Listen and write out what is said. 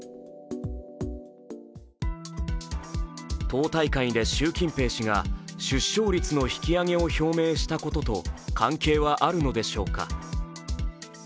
党大会で習近平氏が出生率の引き上げを表明したことと関係はあるのでしょうか。